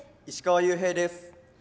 石川裕平です。